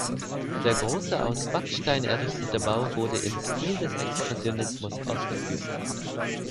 Der große aus Backstein errichtete Bau wurde im Stil des Expressionismus ausgeführt.